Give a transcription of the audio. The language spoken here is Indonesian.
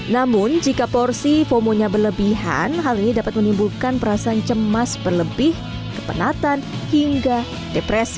namun jika porsi fomonya berlebihan hal ini dapat menimbulkan perasaan cemas berlebih kepenatan hingga depresi